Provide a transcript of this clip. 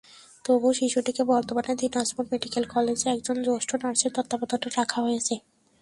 তবু শিশুটিকে বর্তমানে দিনাজপুর মেডিকেল কলেজে একজন জ্যেষ্ঠ নার্সের তত্ত্বাবধানে রাখা হয়েছে।